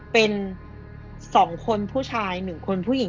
เป็น๒คนผู้ชาย๑คนผู้หญิง